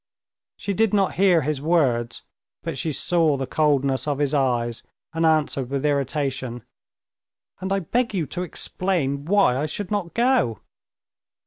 She did not hear his words, but she saw the coldness of his eyes, and answered with irritation: "And I beg you to explain why I should not go."